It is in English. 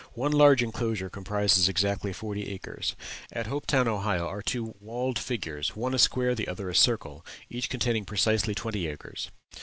One large enclosure comprises exactly forty acres. At Hopetown, Ohio, are two walled figures one a square, the other a circle each containing precisely twenty acres.